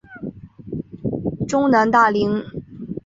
中南大羚。